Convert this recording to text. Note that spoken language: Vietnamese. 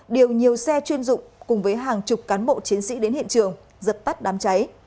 điều nhiều xe chuyên dụng cùng với hàng chục cán bộ chiến sĩ đến hiện trường dập tắt đám cháy